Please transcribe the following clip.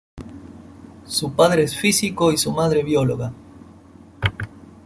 Su padre es físico y su madre bióloga.